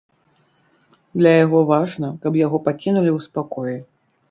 Для яго важна, каб яго пакінулі ў спакоі.